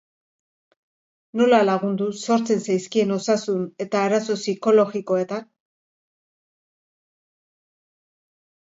Nola lagundu sortzen zaizkien osasun eta arazo psikologikoetan?